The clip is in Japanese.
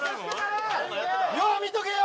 よう見とけよ！